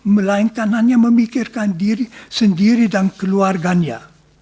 melainkan hanya memikirkan diri sendiri dan keluarganya